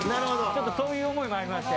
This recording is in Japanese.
ちょっとそういう思いもありまして。